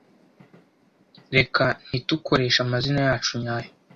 Reka ntitukoreshe amazina yacu nyayo.